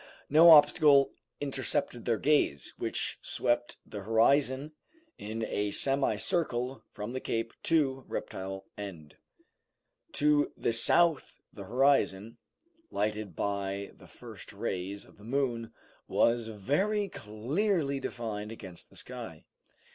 No obstacle intercepted their gaze, which swept the horizon in a semi circle from the cape to Reptile End. To the south the horizon, lighted by the first rays of the moon, was very clearly defined against the sky.